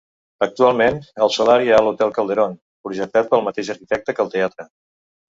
Actualment, al solar hi ha l'Hotel Calderón, projectat pel mateix arquitecte que el teatre.